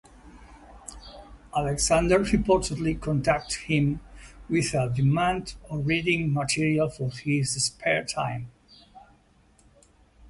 Alexander reportedly contacted him with a demand of reading material for his spare time.